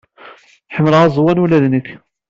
Ḥemmleɣ aẓawan ula d nekk.